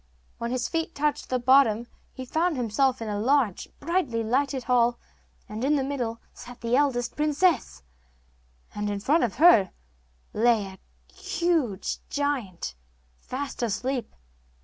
When his feet touched the bottom he found himself in a large, brilliantly lighted hall, and in the middle sat the eldest princess, and in front of her lay a huge giant, fast asleep.